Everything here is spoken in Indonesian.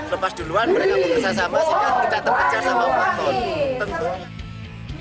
lepas duluan mereka mengesah sama sehingga kita terpecah sama ompak pon